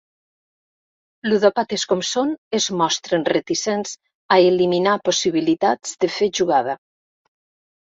Ludòpates com són, es mostren reticents a eliminar possibilitats de fer jugada.